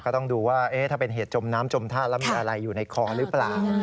ก็ต้องดูว่าถ้าเป็นเหตุจมน้ำจมท่าแล้วมีอะไรอยู่ในคอหรือเปล่า